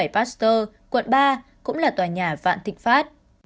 một trăm hai mươi bảy pasteur quận ba cũng là tòa nhà vạn thịnh pháp